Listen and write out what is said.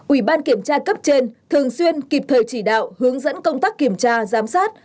ủy ban kiểm tra cấp trên thường xuyên kịp thời chỉ đạo hướng dẫn công tác kiểm tra giám sát